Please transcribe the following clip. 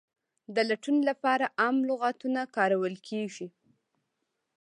د لټون لپاره عام لغتونه کارول کیږي.